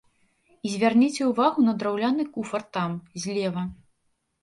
І звярніце ўвагу на драўляны куфар там, злева.